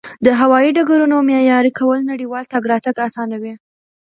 د هوایي ډګرونو معیاري کول نړیوال تګ راتګ اسانوي.